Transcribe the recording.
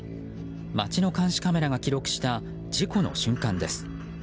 街の監視カメラが記録した事故の瞬間です。